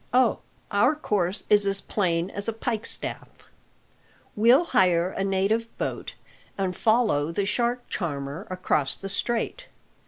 "Oh, our course is as plain as a pikestaff. We'll hire a native boat, and follow the shark charmer across the Strait.